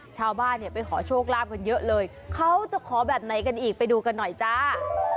ชาวบ้านเนี่ยไปขอโชคลาภกันเยอะเลยเขาจะขอแบบไหนกันอีกไปดูกันหน่อยจ้า